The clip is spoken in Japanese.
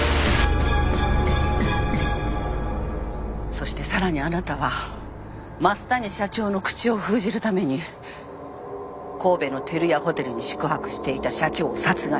そしてさらにあなたは増谷社長の口を封じるために神戸の照屋ホテルに宿泊していた社長を殺害した。